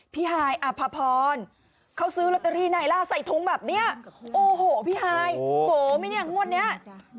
พี่หายอภพรเขาซื้อลอตเตอรี่ไนล่าใส่ถุงแบบนี้โอ้โหพี่หายโหไม่เนี่ยงวดนี้